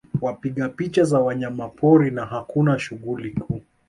Wapiga picha za wanyamapori na hakuna shughuli kuu